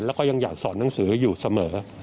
แล้วก็ยังอยากสอนหนังสืออยู่เสมอ